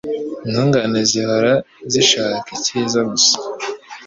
Intungane zihora zishaka icyiza gusa